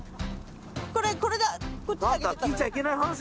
これこれだこっち。